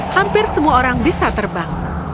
hampir semua orang bisa terbang